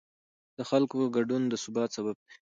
د خلکو ګډون د ثبات سبب دی